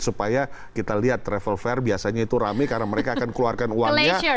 supaya kita lihat travel fair biasanya itu rame karena mereka akan keluarkan uangnya